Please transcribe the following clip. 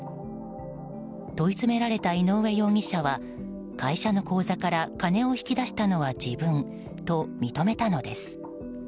問い詰められた井上容疑者は会社の口座から金を引き出したのは自分と認めたのです。